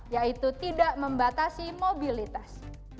yaitu tidak membatasi mobilitas